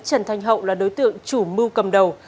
trần thanh hậu là đối tượng chủ mưu cầm đầu